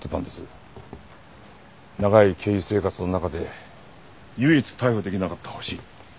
長い刑事生活の中で唯一逮捕できなかったホシ。